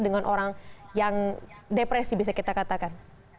dengan orang yang depresi bisa kita katakan